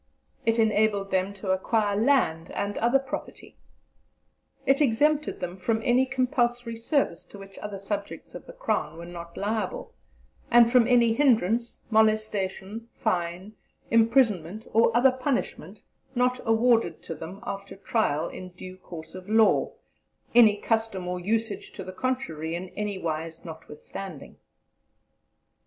It enabled them to acquire land and other property. It exempted them from any compulsory service to which other subjects of the Crown were not liable, and from 'any hindrance, molestation, fine, imprisonment or other punishment' not awarded to them after trial in due course of law, 'any custom or usage to the contrary in anywise notwithstanding.'